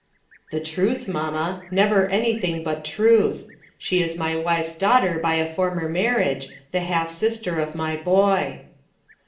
1 ' "The truth, mamma; never anything but truth She is my wife's daughter by a former marriage, the half sister of my boy."